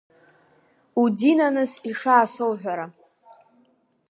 Удинаныс ишаасоуҳәара!